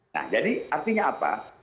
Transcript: nah jadi artinya apa